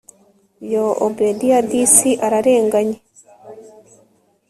yoooh obedia disi ararenganye